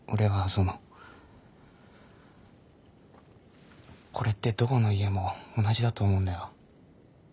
これってどこの家も同じだと思うんだよ。